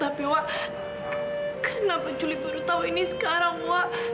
tapi wak kenapa jules baru tahu ini sekarang wak